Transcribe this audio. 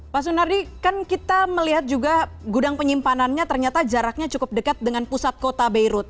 pak sunardi kan kita melihat juga gudang penyimpanannya ternyata jaraknya cukup dekat dengan pusat kota beirut